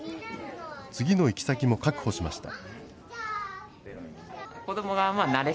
次の行き先も確保しました。